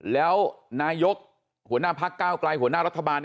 แล้วนายกหัวหน้าพักก้าวไกลหัวหน้ารัฐบาล